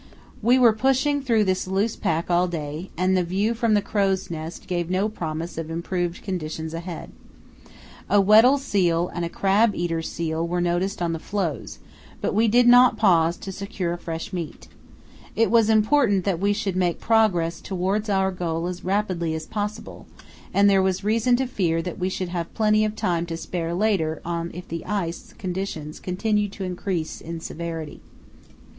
We were pushing through this loose pack all day, and the view from the crow's nest gave no promise of improved conditions ahead. A Weddell seal and a crab eater seal were noticed on the floes, but we did not pause to secure fresh meat. It was important that we should make progress towards our goal as rapidly as possible, and there was reason to fear that we should have plenty of time to spare later on if the ice conditions continued to increase in severity.